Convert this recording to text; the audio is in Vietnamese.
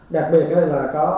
đặc biệt là có